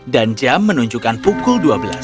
dan jam menunjukkan pukul dua belas